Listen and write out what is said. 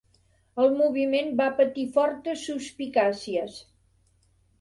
El moviment va patir fortes suspicàcies.